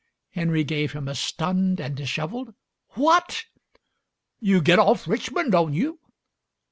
Henry gave him a stunned and dishevelled "What?" "You get off Richmon', don't you?"